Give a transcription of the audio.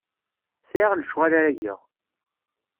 Sɛiɣ lecɣal ara geɣ.